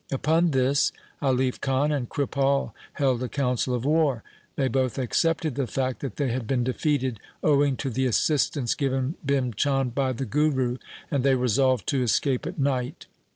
Upon this Alif Khan and Kripal held a council of war. They both accepted the fact that they had been defeated owing to the assistance given Bhim Chand by the Guru, and they resolved to escape at night.